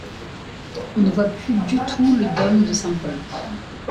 On ne voit plus du tout le dôme de Saint-Paul.